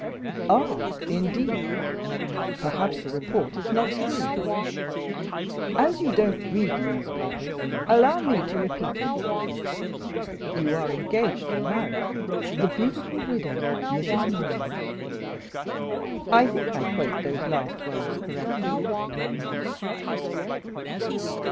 "Ah, indeed? Perhaps the report is not true? As you don't read the newspapers, allow me to repeat it. You are engaged to marry the 'beautiful widow, Mrs. Norman.' I think I quote those last words correctly?"